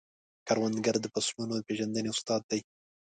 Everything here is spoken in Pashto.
کروندګر د فصلونو د پیژندنې استاد دی